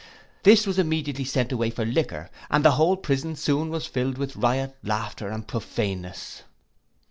This was immediately sent away for liquor, and the whole prison soon was filled with riot, laughter, and prophaneness.